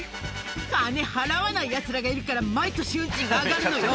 金払わないやつらがいるから、毎年運賃が上がるのよ。